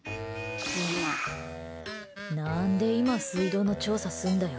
何で今、水道の調査するんだよ。